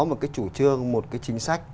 một cái chủ trương một cái chính sách